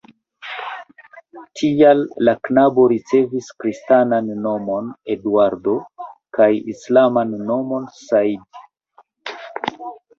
Tial la knabo ricevis kristanan nomon (Eduardo) kaj islaman nomon (Saidi).